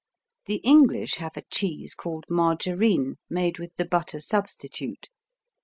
The English have a cheese called Margarine, made with the butter substitute.